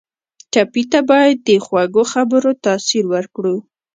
ټپي ته باید د خوږو خبرو تاثیر ورکړو.